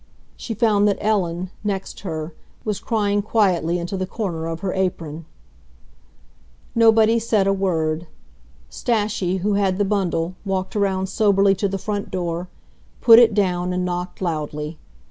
She found that Ellen, next her, was crying quietly into the corner of her apron. Nobody said a word. Stashie, who had the bundle, walked around soberly to the front door, put it down, and knocked loudly.